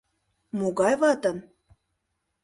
Могай ватын?